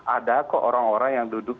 ada kok orang orang yang duduk